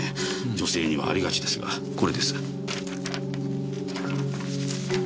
女性にはありがちですがこれです。